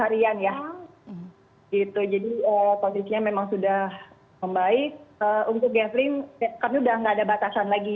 kalian ya itu jadi oposisinya memang sudah membaik untuk gathering tapi udah nggak ada batasan lagi